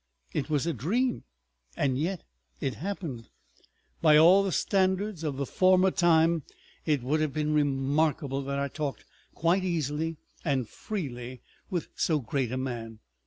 It was a dream. And yet—it happened." By all the standards of the former time it would have been remarkable that I talked quite easily and freely with so great a man.